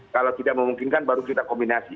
kalau tidak memungkinkan baru kita kombinasi